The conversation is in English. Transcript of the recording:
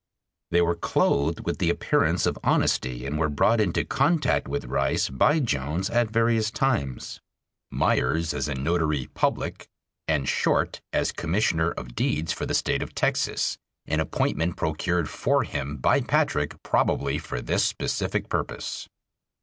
They were clothed with the appearance of honesty and were brought into contact with Rice by Jones at various times: Meyers as a notary public, and Short as commissioner of deeds for the State of Texas, an appointment procured for him by Patrick probably for this specific purpose.